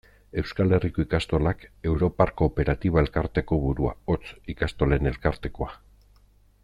Euskal Herriko Ikastolak europar kooperatiba-elkarteko burua, hots, Ikastolen Elkartekoa.